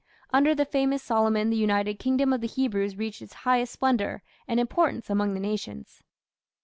Under the famous Solomon the united kingdom of the Hebrews reached its highest splendour and importance among the nations.